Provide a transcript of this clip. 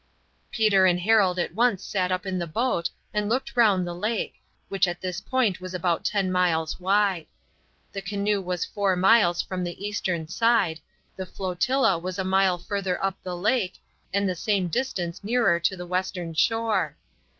Peter and Harold at once sat up in the boat and looked round the lake, which at this point was about ten miles wide. The canoe was four miles from the eastern side; the flotilla was a mile further up the lake and the same distance nearer to the western shore.